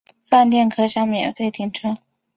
饭店可享免费停车